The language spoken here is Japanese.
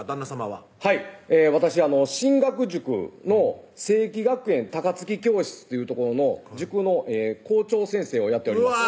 はい私進学塾の成基学園高槻教室という所の塾の校長先生をやっております